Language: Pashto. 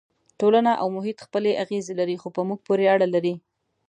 ټولنه او محیط خپلې اغېزې لري خو په موږ پورې اړه لري.